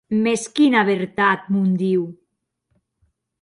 Mès quina vertat, mon Diu!